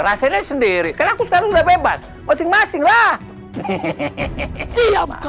rasanya sendiri kan aku sekarang udah bebas masing masing lah hehehe diam kau